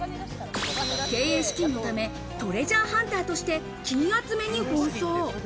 経営資金のため、トレジャーハンターとして金集めに奔走。